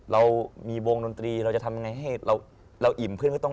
เรามีวงดนตรีเราจะทำยังไงให้เราอิ่มเพื่อนก็ต้อง